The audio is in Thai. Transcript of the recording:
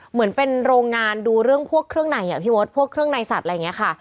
เหมือนเป็นโรงงานดูเรื่องพวกเครื่องในอ่ะพี่มดพวกเครื่องในสัตว์อะไรอย่างนี้ค่ะ